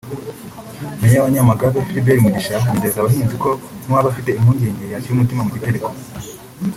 Meya wa Nyamagabe Philbert Mugisha yizeza abahinzi ko n’uwaba afite impungenge yashyira umutima mu gitereko